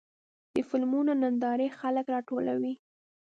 د فلمونو نندارې خلک راټولوي.